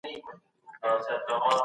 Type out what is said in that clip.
د هېواد شتمني وساتئ.